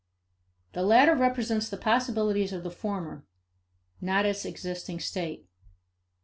The latter represents the possibilities of the former; not its existing state.